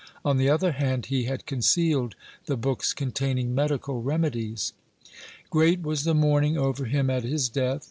(89) On the other hand, he had concealed the books containing medical remedies. (90) Great was the mourning over him at his death.